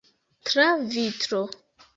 Tra vitro.